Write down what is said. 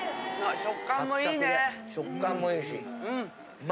食感もいいね。